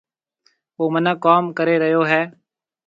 او مِنک ڪوم ڪري ريو هيَ۔